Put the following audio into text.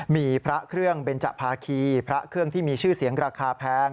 มีพระเครื่องเบนจภาคีพระเครื่องที่มีชื่อเสียงราคาแพง